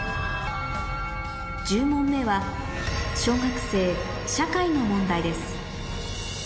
１０問目は小学生の問題です